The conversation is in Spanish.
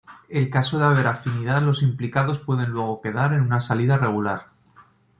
En caso de haber afinidad los implicados pueden luego quedar en una salida regular.